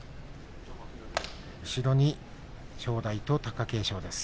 後ろに正代と貴景勝です。